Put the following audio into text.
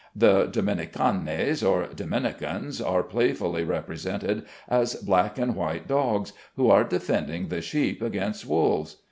The Dominicanes, or Dominicans, are playfully represented as black and white dogs, who are defending the sheep against wolves.